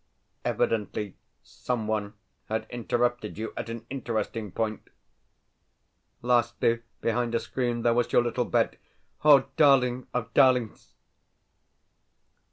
Evidently, someone had interrupted you at an interesting point. Lastly, behind a screen there was your little bed.... Oh darling of darlings!!!...